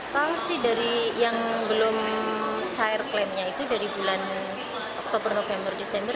tahu sih dari yang belum cair klaimnya itu dari bulan oktober november desember